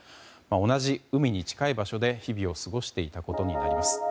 同じ海に近い場所で日々を過ごしていたことになります。